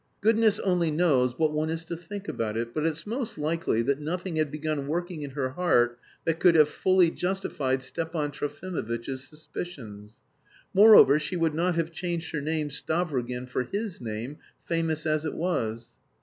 Goodness only knows what one is to think about it, but it's most likely that nothing had begun working in her heart that could have fully justified Stepan Trofimovitch's suspicions. Moreover, she would not have changed her name, Stavrogin, for his name, famous as it was.